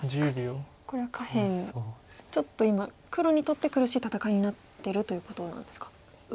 これは下辺ちょっと今黒にとって苦しい戦いになってるということなんですか。